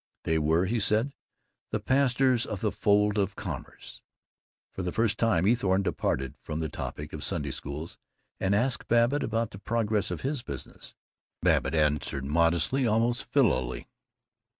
They were, he said, the pastors of the fold of commerce. For the first time Eathorne departed from the topic of Sunday Schools, and asked Babbitt about the progress of his business. Babbitt answered modestly, almost filially.